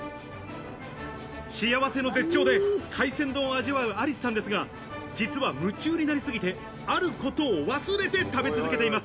幸せの絶頂で海鮮丼を味わうアリスさんですが、実は夢中になりすぎて、あることを忘れて食べ続けています。